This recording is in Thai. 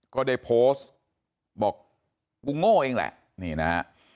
ก็ได้โพสต์บอกกูโง่เองแหละ